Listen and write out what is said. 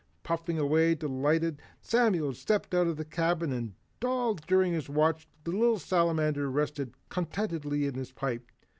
Puffing away delightedly Samuel stepped out of the cabin and all during his watch, the little Salamander rested contentedly in his pipe.